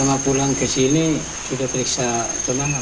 selama pulang ke sini sudah periksa kemana